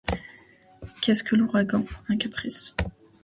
Qu’est-ce que l’ouragan ? un caprice.